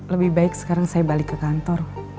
lebih baik sekarang saya balik ke kantor